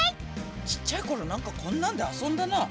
ちっちゃいころなんかこんなんで遊んだな。